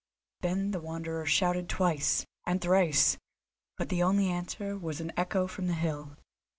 Then the Wanderer shouted twice, and thrice, but the only answer was an echo from the hill.